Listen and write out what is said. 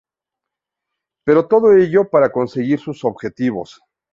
Pero todo ello para conseguir sus objetivos.